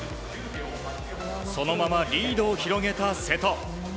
そのままリードを広げた瀬戸。